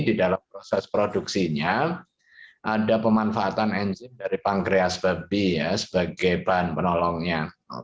di dalam proses produksinya ada pemanfaatan enzim dari pankreas babi ya sebagai bahan penolongnya